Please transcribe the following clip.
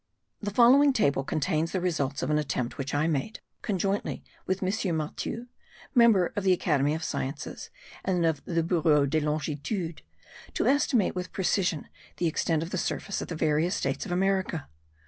The following table contains the results of an attempt which I made, conjointly with M. Mathieu, member of the Academy of Sciences, and of the Bureau des Longitudes, to estimate with precision the extent of the surface of the various states of America.